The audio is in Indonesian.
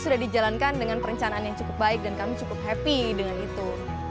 sudah dijalankan dengan perencanaan yang cukup baik dan kami cukup happy dengan itu